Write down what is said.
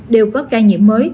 đều có ca nhiễm mới